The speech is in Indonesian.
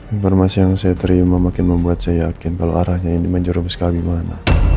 informasi yang saya terima makin membuat saya yakin kalau arahnya ini menjerobos kabi mana